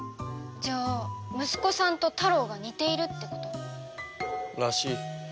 じゃあ息子さんとタロウが似ているってこと？らしい。